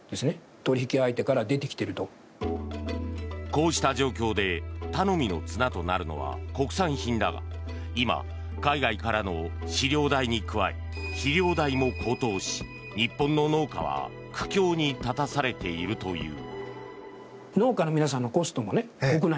こうした状況で頼みの綱となるのは国産品だが今、海外からの飼料代に加え肥料代も高騰し日本の農家は苦境に立たされているという。